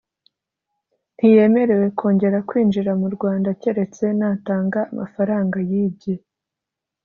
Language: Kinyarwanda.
ntiyemerewe kongera kwinjira mu rwanda keretse natanga amafaranga yibye